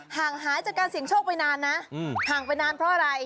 ห่างหายจากการเสี่ยงโชคไปนานนะห่างไปนานเพราะอะไร